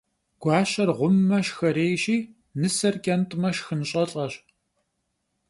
Guaşer ğumme, şşxerêyşi, nıser ç'ent'me, şşxın ş'elh'eş.